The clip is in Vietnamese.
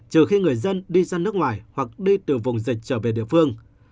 trừ khi người dân đi ra nước ngoài hoặc đi từ vùng dịch trở về địa phương